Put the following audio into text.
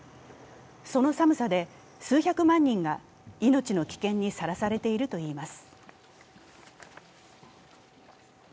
その寒さで数百万人が命の危険にさらされているといいます。